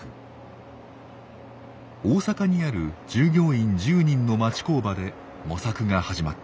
大阪にある従業員１０人の町工場で模索が始まっています。